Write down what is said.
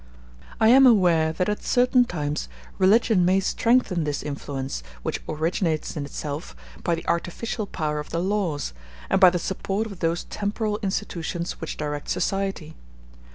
I am aware that at certain times religion may strengthen this influence, which originates in itself, by the artificial power of the laws, and by the support of those temporal institutions which direct society.